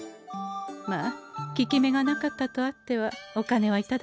まあ効き目がなかったとあってはお金は頂けません。